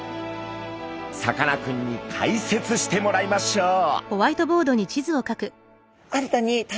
さかなクンに解説してもらいましょう。